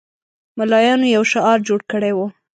ملایانو یو شعار جوړ کړی وو.